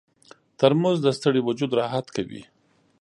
ترموز د ستړي وجود راحت کوي.